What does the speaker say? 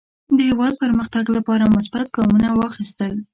د هېواد پرمختګ لپاره مثبت ګامونه واخیستل.